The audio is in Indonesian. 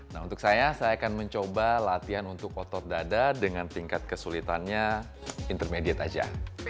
nah untuk saya saya akan mencoba latihan untuk otot dada dengan tingkat kesulitannya intermediate aja